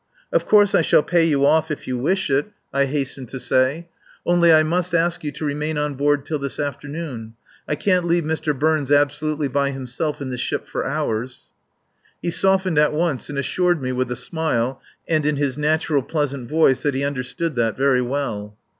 "Of course I shall pay you off if you wish it," I hastened to say. "Only I must ask you to remain on board till this afternoon. I can't leave Mr. Burns absolutely by himself in the ship for hours." He softened at once and assured me with a smile and in his natural pleasant voice that he understood that very well.